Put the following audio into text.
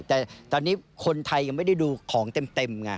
แต่ตอนนี้คนไทยยังไม่ได้ดูของเต็มไง